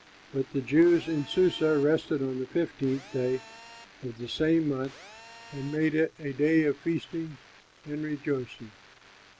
But the Jews in Susa rested on the fifteenth day of the same month and made it a day of feasting and rejoicing.